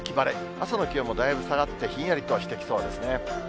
朝の気温もだいぶ下がって、ひんやりとしてきそうですね。